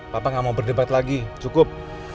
papa gak mau berdebat lagi cukup